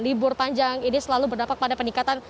libur panjang ini selalu berdampak pada peningkatan